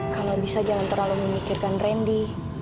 kalau bisa jangan terlalu memikirkan randy